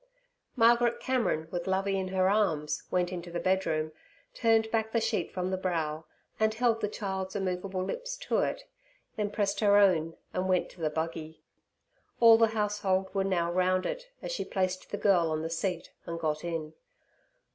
Margaret Cameron, with Lovey in her arms, went into the bedroom, turned back the sheet from the brow, and held the child's immovable lips to it, then pressed her own, and went to the buggy. All the household were now round it, as she placed the girl on the seat and got in.